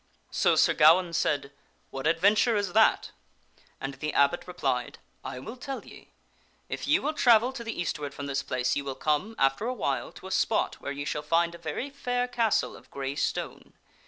So Sir Gawaine said, " What adventure is that ?" And the abbot re plied, " I will tell ye ; if ye will travel to the eastward from this place, ye will come, after a while, to a spot where ye shall find a very telieth the ^ r castle of gray stone.